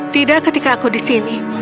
tidak ketika aku di sini